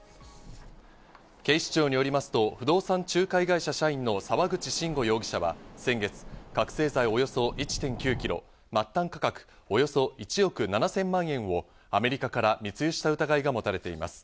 警視庁によりますと、不動産仲介会社社員の沢口慎吾容疑者は、先月、覚せい剤、およそ１．９キロ、末端価格およそ１億７０００万円をアメリカから密輸した疑いが持たれています。